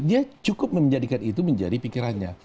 dia cukup menjadikan itu menjadi pikirannya